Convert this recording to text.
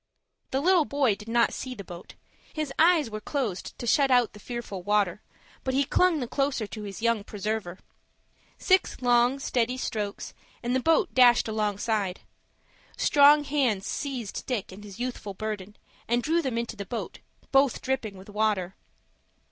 The little boy did not see the boat. His eyes were closed to shut out the fearful water, but he clung the closer to his young preserver. Six long, steady strokes, and the boat dashed along side. Strong hands seized Dick and his youthful burden, and drew them into the boat, both dripping with water.